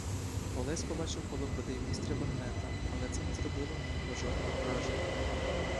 Олесь побачив коло грудей вістря багнета, але це не зробило на його жодного враження.